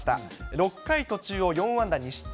６回途中を４安打２失点。